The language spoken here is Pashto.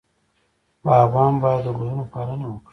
باغوان باید د ګلونو پالنه وکړي.